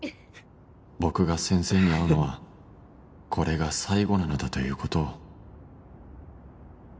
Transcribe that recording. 僕が先生に会うのはこれが最後なのだという事を